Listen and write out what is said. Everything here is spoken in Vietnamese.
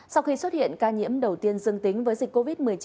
sau khi xuất hiện ca nhiễm đầu tiên dương tính với dịch covid một mươi chín